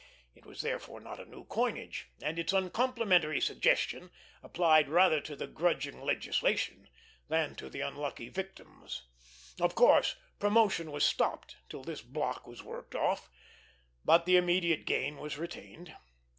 It was therefore not a new coinage, and its uncomplimentary suggestion applied rather to the grudging legislation than to the unlucky victims. Of course, promotion was stopped till this block was worked off; but the immediate gain was retained.